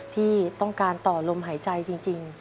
ที่ต้องการต่อลมหายใจจริง